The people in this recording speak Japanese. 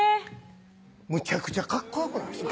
むちゃくちゃかっこよくないですか？